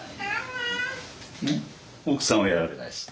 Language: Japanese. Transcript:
奥さんはやられないです。